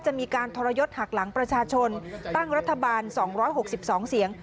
จะมีการทรยศหักหลังประชาชนตั้งรัฐบาล๒๖๒เสียง